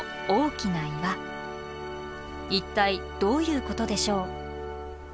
一体どういうことでしょう？